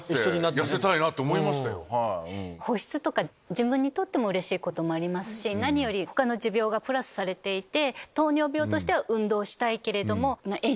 自分にとってもうれしいこともありますし何より他の持病がプラスされていて。